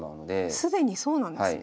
既にそうなんですね。